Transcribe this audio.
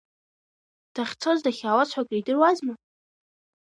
Дахьцоз дахьаауаз ҳәа акридыруазма?